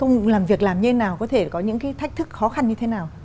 ông làm việc làm như thế nào có thể có những cái thách thức khó khăn như thế nào